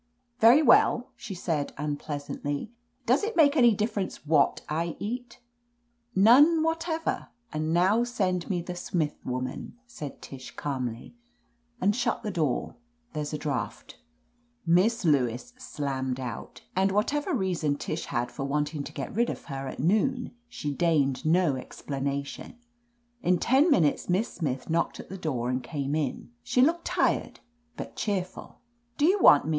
"Very well," she said unpleasantly. "Does 'it make any difference what I eat ?" "None whatever. And now send me the Smith woman," said Tish calmly. "And shut the door. There's a draught." 34 \ OF LETITIA CARBERRY Miss Lewis slammed out. And whatever reason Tish had for wanting to get rid of her at noon, she deigned no explanation. In ten minutes Miss Smith knocked at the door and came in. She looked tired, but cheerful. "Do you want me.